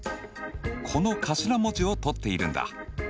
この頭文字を取っているんだ。